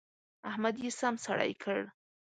احمد يې سم سړی کړ.